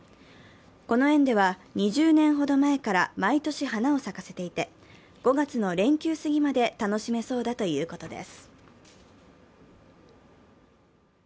この園では２０年ほど前から毎年花を咲かせていて、５月の連休過ぎまで楽しめそうだということです。